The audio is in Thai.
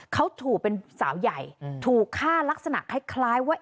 เขาถูกเป็นสาวใหญ่ถูกฆ่าลักษณะคล้ายว่า